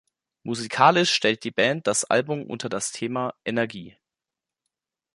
Musikalisch stellt die Band das Album unter das Thema „Energie“.